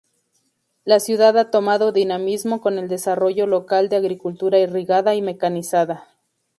La ciudad ha tomado dinamismo con el desarrollo local de agricultura irrigada y mecanizada.